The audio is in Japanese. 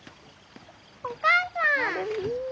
お母さん！